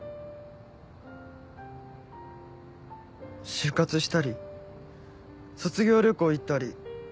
就活したり卒業旅行行ったり。